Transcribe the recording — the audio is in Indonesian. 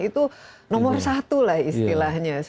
itu nomor satu lah istilahnya